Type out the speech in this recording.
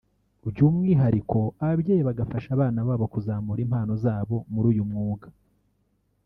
by’umwihariko ababyeyi bagafasha abana babo kuzamura impano zabo muri uyu mwuga